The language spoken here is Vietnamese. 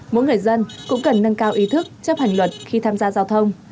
mỗi người dân cũng cần nâng cao ý thức chấp hành luật khi tham gia giao thông